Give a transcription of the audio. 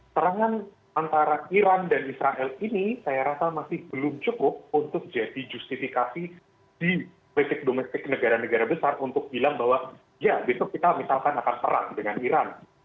serangan antara iran dan israel ini saya rasa masih belum cukup untuk jadi justifikasi di politik domestik negara negara besar untuk bilang bahwa ya besok kita misalkan akan perang dengan iran